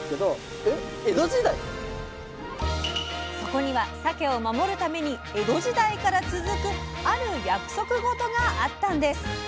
そこにはさけを守るために江戸時代から続くある約束事があったんです！